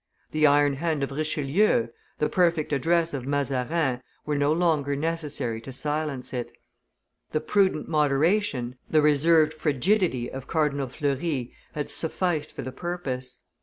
The iron hand of Richelieu, the perfect address of Mazarin, were no longer necessary to silence it; the prudent moderation, the reserved frigidity, of Cardinal Fleury had sufficed for the purpose.